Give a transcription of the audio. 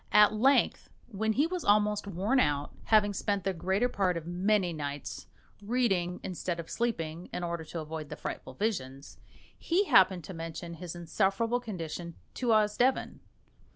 At length, when he was almost worn out, having spent the greater part of many nights reading instead of sleeping, in order to avoid the frightful visions, he happened to mention his insufferable condition to Osdeven.